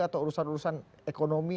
atau urusan urusan ekonomi